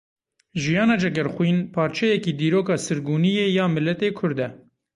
Jiyana Cegerxwîn parçeyekî dîroka sirgûniyê ya miletê Kurd e.